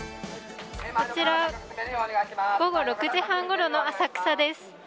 こちら午後６時半ごろの浅草です。